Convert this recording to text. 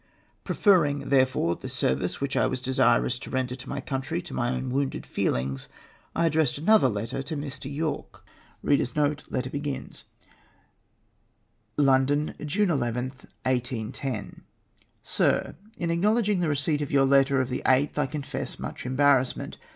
Preferring, therefore, the service which I was desirous to render to my country to my own wounded feehngs, I addressed another letter to Mi\ Yorke :— MY EEMONSTRANCE, 157 "London, June 11th, 1810. " Sir, — In acknowledging the receipt of your letter of the 8th I confess much embarrassment.